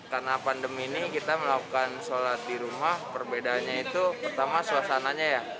karena pandemi ini kita melakukan salat di rumah perbedaannya itu pertama suasananya ya